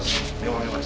cabang umur ini mas